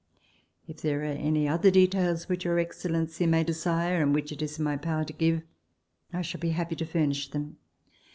If there are any other details which Your Excellency may desire, and which it is in my power to give, I shall be happy to furnish them.